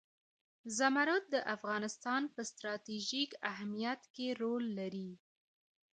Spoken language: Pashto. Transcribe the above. زمرد د افغانستان په ستراتیژیک اهمیت کې رول لري.